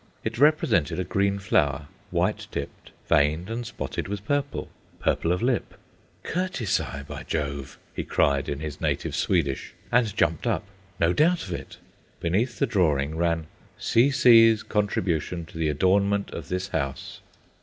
It represented a green flower, white tipped, veined and spotted with purple, purple of lip. "Curtisi, by Jove!" he cried, in his native Swedish, and jumped up. No doubt of it! Beneath the drawing ran: "C.C.'s contribution to the adornment of this house."